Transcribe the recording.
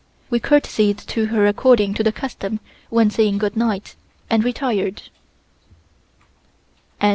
We courtesied to her according to the custom when saying good night, and retired.